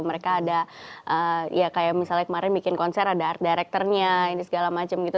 mereka ada ya kayak misalnya kemarin bikin konser ada art directornya ini segala macam gitu